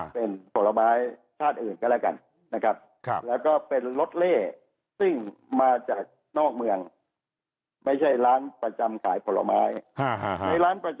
เป็นผลไม้ชาติอื่นก็แล้วกัน